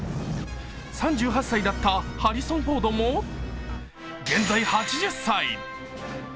３８歳だったハリソン・フォードも現在８０歳。